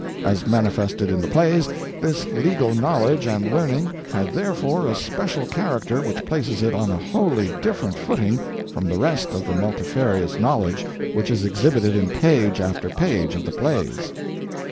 As manifested in the plays, this legal knowledge and learning had therefore a special character which places it on a wholly different footing from the rest of the multifarious knowledge which is exhibited in page after page of the plays.